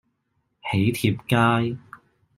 囍帖街